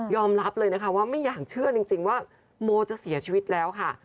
รับเลยนะคะว่าไม่อยากเชื่อจริงว่าโมจะเสียชีวิตแล้วค่ะ